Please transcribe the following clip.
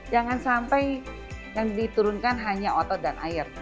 jangan sampai yang diturunkan hanya otot dan air